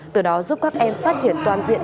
từ đó giúp các em phát triển toàn diện